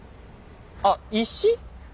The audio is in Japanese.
あっ石？